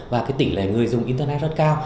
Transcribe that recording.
và cái tỷ lệ người dùng internet rất cao